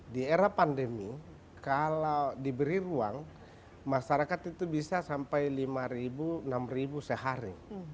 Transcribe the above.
di era pandemi kalau diberi ruang masyarakat itu bisa sampai lima enam ribu sehari